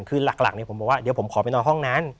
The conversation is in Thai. คือหลักผมบอกว่าเดี๋ยวผมขอไปนอนห้องนั้น